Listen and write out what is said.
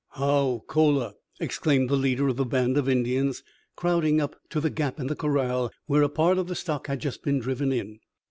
"How, cola!" exclaimed the leader of the band of Indians, crowding up to the gap in the corral where a part of the stock had just been driven in.